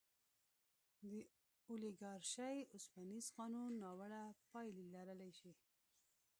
د اولیګارشۍ اوسپنیز قانون ناوړه پایلې لرلی شي.